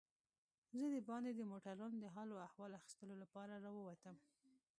زه دباندې د موټرانو د حال و احوال اخیستو لپاره راووتم.